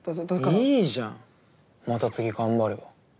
いいじゃんまた次頑張れば。